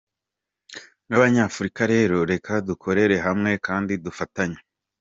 Nk’ Abanyafurika rero reka dukorere hamwe kandi dufatanye.